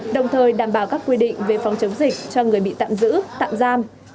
đồng thời đảm bảo các quy định về phòng chống dịch cho người bị tạm giữ tạm giam